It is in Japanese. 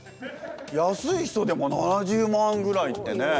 安い人でも７０万ぐらいってね。